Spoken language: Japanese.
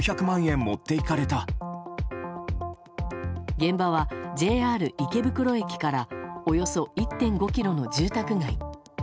現場はＪＲ池袋駅からおよそ１．５ｋｍの住宅街。